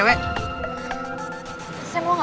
tantangin lu ya